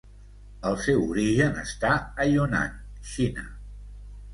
El seu origen està a Yunnan, Xina.